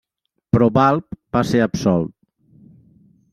Però Balb va ser absolt.